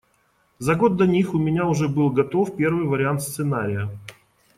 За год до них у меня уже был готов первый вариант сценария.